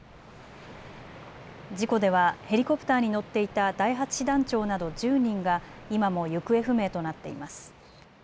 事故ではヘリコプターに乗っていた第８師団長など１０人が今も行方不明となっています。